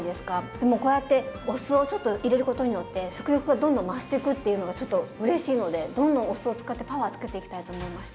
でもこうやってお酢をちょっと入れることによって食欲がどんどん増してくっていうのがちょっとうれしいのでどんどんお酢を使ってパワーつけていきたいと思いました。